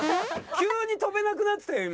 急に跳べなくなってたよ